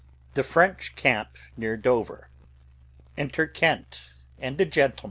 The French camp near Dover. Enter Kent and a Gentleman.